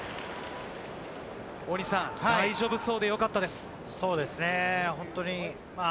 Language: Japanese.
大西さん、大丈夫そうでよかったです。